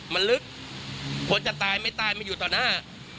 มันลึกคนจะตายไม่ตายมันอยู่ต่อหน้า